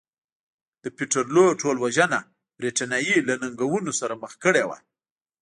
د پیټرلو ټولوژنه برېټانیا یې له ننګونو سره مخ کړې وه.